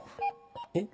えっ？